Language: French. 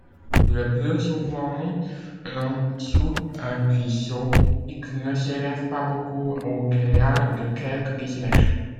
Le plus souvent, un sous-arbrisseau typique ne s'élève pas beaucoup au-delà de quelques décimètres.